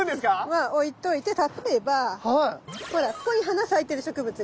まあ置いといて例えばほらここに花咲いてる植物がいる。